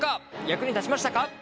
役に立ちましたか？